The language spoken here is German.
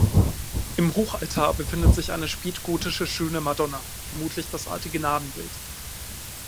Im Hochaltar befindet sich eine spätgotische schöne Madonna, vermutlich das alte Gnadenbild.